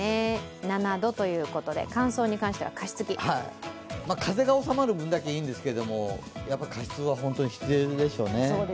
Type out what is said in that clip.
７度ということで、風が収まる分だけいいんですけど、加湿は必要でしょうね。